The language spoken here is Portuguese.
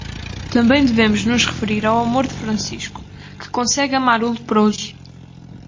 Também devemos nos referir ao amor de Francisco, que consegue amar o leproso.